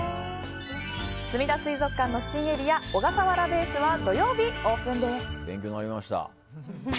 すみだ水族館の新エリアオガサワラベースは土曜日オープンです。